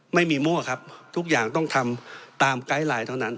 มั่วครับทุกอย่างต้องทำตามไกด์ไลน์เท่านั้น